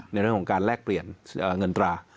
ในเรื่องของการแลกเปลี่ยนเงินตรา